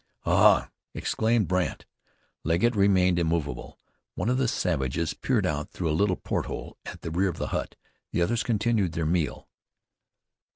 "Hah!" exclaimed Brandt. Legget remained immovable. One of the savages peered out through a little port hole at the rear of the hut. The others continued their meal.